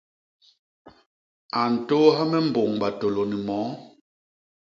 A ntôôha me mbôñ batôlô ni moo.